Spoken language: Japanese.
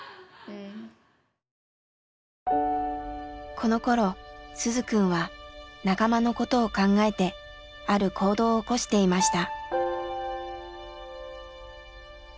このころ鈴くんは仲間のことを考えてある行動を起こしていました。